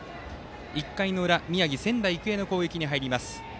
１回裏、宮城・仙台育英の攻撃に入ります。